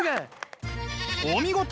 お見事！